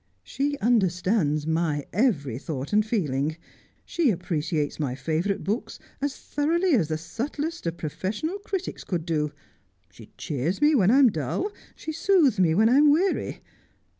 She understands my every thought and feeling ; she appreciates my favourite books as thoroughly as the subtlest of professional critics could do ; she cheers me when I am dull ; she soothes me when I am weary.